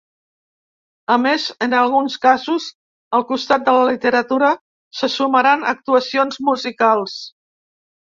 A més, en alguns casos, al costat de la literatura se sumaran actuacions musicals.